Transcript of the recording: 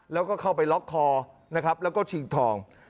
แล้วก็เข้าไปล็อกคอนะครับแล้วก็ชิงทอง